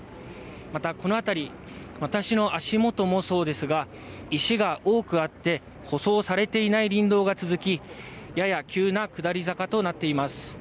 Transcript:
またこの辺り、私の足元もそうですが石が多くあって舗装されていない林道が続きやや急な下り坂となっています。